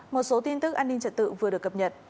một số tin tức an ninh trật tự vừa được cập nhật